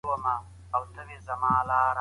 هيڅ تيری به پاتې نشي بې ځوابه